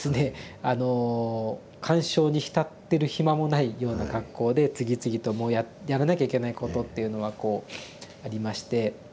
あの感傷に浸ってる暇もないような格好で次々とやらなきゃいけないことっていうのはありまして。